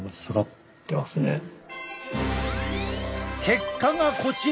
結果がこちら！